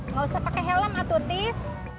nggak usah pakai helm atutis